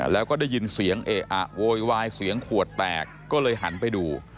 แล้วก็ได้ยินเสียงเอะอะโวยวายเสียงขวดแตกก็เลยหันไปดู